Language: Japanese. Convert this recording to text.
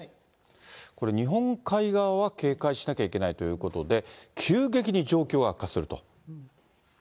これ、日本海側は警戒しなきゃいけないということで、急激に状況が悪化すると。